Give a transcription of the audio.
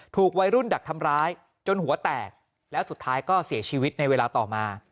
วัยรุ่นดักทำร้ายจนหัวแตกแล้วสุดท้ายก็เสียชีวิตในเวลาต่อมา